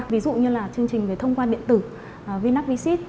ví dụ như là chương trình về thông quan điện tử vnapvsit